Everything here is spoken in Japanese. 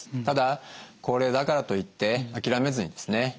ただ高齢だからといって諦めずにですね